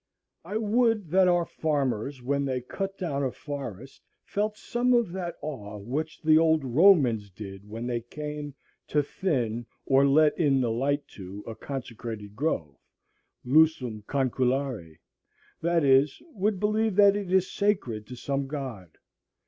I would that our farmers when they cut down a forest felt some of that awe which the old Romans did when they came to thin, or let in the light to, a consecrated grove (lucum conlucare), that is, would believe that it is sacred to some god.